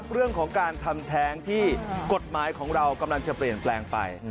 เรื่องของการทำแท้งที่กฎหมายของเรากำลังจะเปลี่ยนแปลงไป